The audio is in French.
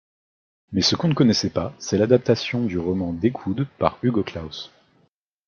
Mais ce qu'on ne connaissait pas, c'est l'adaptation du roman d'Eekhoud par Hugo Claus.